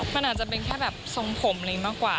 มันอาจจะเป็นแค่แบบทรงผมเลยมากกว่า